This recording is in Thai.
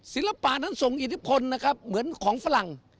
ศิลปะนั้นส่งอิทธิพลนะครับเหมือนของฝรั่ง